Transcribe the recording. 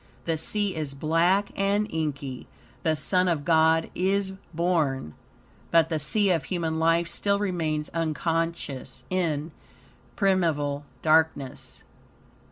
The sea is black and inky. The Son of God is born, but the sea of human life still remains unconscious, in primeval darkness.